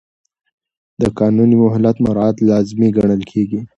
د قانوني مهلت مراعات لازمي ګڼل کېږي.